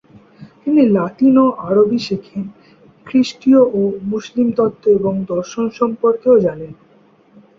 তিনি লাতিন ও আরবি শেখেন, খ্রিস্টীয় ও মুসলিম তত্ত্ব এবং দর্শন সম্পর্কেও জানেন।